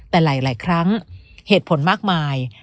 แต่หลายครั้งเหตุผลมากมาย